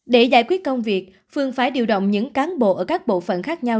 để giải quyết công việc phương phải điều động những cán bộ ở các bộ phận khác nhau